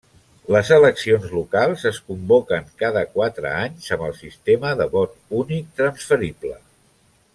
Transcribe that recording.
Les eleccions locals es convoquen cada quatre anys amb el sistema de vot únic transferible.